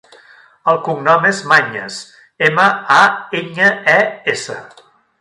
El cognom és Mañes: ema, a, enya, e, essa.